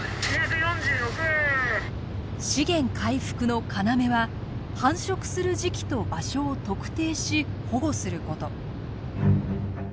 資源回復の要は繁殖する時期と場所を特定し保護すること。